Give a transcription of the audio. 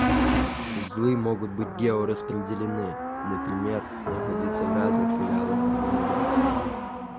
Узлы могут быть гео-распределены: например, находиться в разных филиалах организации